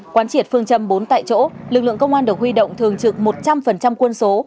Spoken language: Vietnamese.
quán triệt phương châm bốn tại chỗ lực lượng công an được huy động thường trực một trăm linh quân số